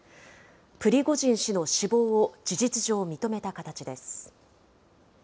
プリゴジン氏の死亡を事実上、認めた形です。